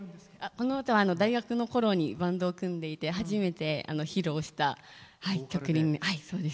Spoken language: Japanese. この歌は大学のころにバンドを組んでいて初めて披露した曲です。